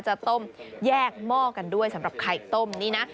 จะต้มแยกหม้อกันด้วยสำหรับไข่ต้มนี่นะ